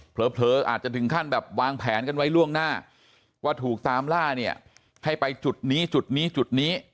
เผลออาจจะถึงขั้นแบบวางแผนกันไว้ล่วงหน้าว่าถูกตามล่าเนี่ยให้ไปจุดนี้จุดนี้จุดนี้